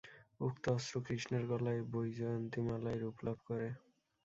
উক্ত অস্ত্র কৃষ্ণের গলায় বৈজয়ন্তীমালায় রূপ লাভ করে।